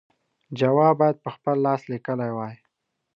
جواب باید په خپل لاس لیکلی وای.